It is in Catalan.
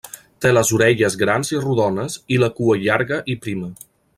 Té les orelles grans i rodones i la cua llarga i prima.